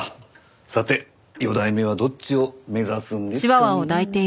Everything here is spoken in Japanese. さて４代目はどっちを目指すんですかねえ？